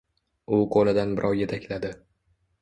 U qo‘lidan birov yetakladi.